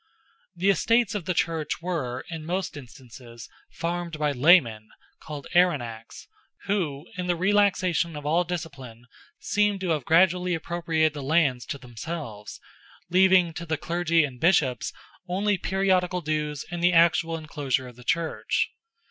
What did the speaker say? The estates of the Church were, in most instances, farmed by laymen, called Erenachs, who, in the relaxation of all discipline, seem to have gradually appropriated the lands to themselves, leaving to the Clergy and Bishops only periodical dues and the actual enclosure of the Church.